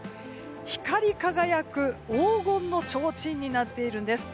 光り輝く黄金のちょうちんになっているんです。